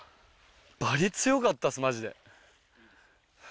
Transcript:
バリ強かったですマジで。